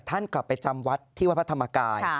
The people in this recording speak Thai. ท่านกลับไปจำวัดที่วัดพระธรรมกาย